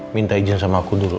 minta izin sama aku dulu